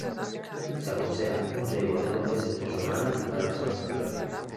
Se aconseja un riego de dos veces por semana para la zona central.